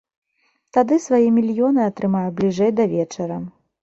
Тады свае мільёны атрымаю бліжэй да вечара.